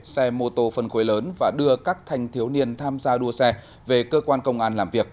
xe mô tô phân khối lớn và đưa các thanh thiếu niên tham gia đua xe về cơ quan công an làm việc